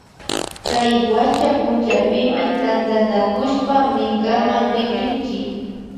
Kay wacha punchapimi tantanakushpa minkaman rikrinchi